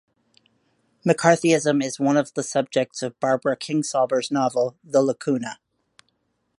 McCarthyism is one of the subjects of Barbara Kingsolver's novel "The Lacuna".